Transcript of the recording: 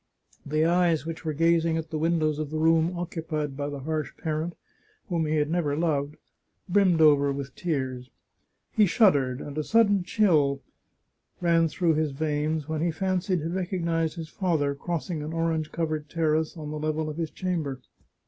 The eyes which were gazing at the windows of the room occupied by the harsh parent, whom he had never loved, brimmed over with tears. He shuddered, and a sudden chill ran through his veins when he fancied he recognised his father crossing an orange covered terrace on the level of his chamber.